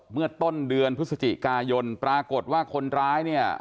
เมื่อต้นเดือนพฤศจิกายนปรากฏว่าคนร้ายเนี่ย